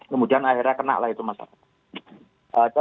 kemudian akhirnya kenalah itu masalah